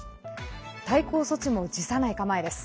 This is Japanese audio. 対抗措置も辞さない構えです。